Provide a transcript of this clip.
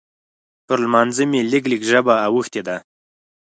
پر لمانځه مې لږ لږ ژبه اوښتې ده.